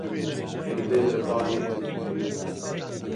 Tu dê li ba nekî.